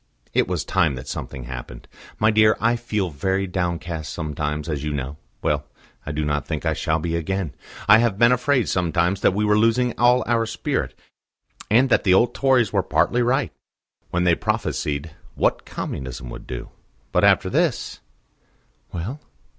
It was time that something happened. My dear, I feel very downcast sometimes, as you know. Well, I do not think I shall be again. I have been afraid sometimes that we were losing all our spirit, and that the old Tories were partly right when they prophesied what Communism would do. But after this " "Well?"